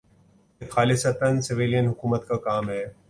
یہ خالصتا سویلین حکومت کا کام ہے۔